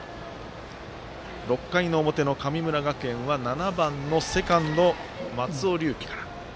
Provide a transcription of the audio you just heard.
６回の表の神村学園は７番のセカンド、松尾龍樹から。